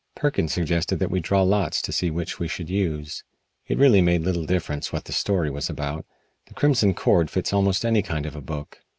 Perkins suggested that we draw lots to see which we should use. It really made little difference what the story was about. "The Crimson Cord" fits almost any kind of a book.